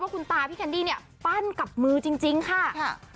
คุณตาพี่แคนดี้เนี่ยปั้นกับมือจริงค่ะ